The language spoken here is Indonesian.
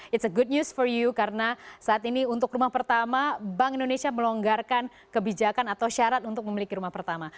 ⁇ its ⁇ a good news for you karena saat ini untuk rumah pertama bank indonesia melonggarkan kebijakan atau syarat untuk memiliki rumah pertama